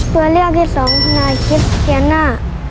ตัวเลือดที่สองคุณนายคริสเตียน่า